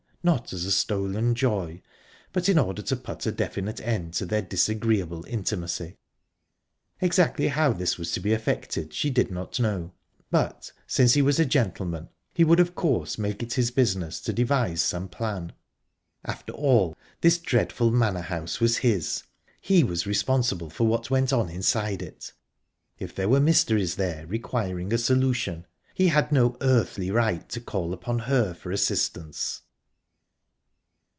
not as stolen joy, but in order to put a definite end to their disagreeable intimacy. Exactly how this was to be effected she did not know, but, since he was a gentleman, he would of course make it his business to devise some plan...After all, this dreadful manor house was his, he was responsible for what went on inside it; if there were mysteries there requiring a solution, he had no earthly right to call upon her for assistance...